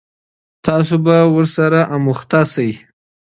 تاسو به ورسره روږدي سئ.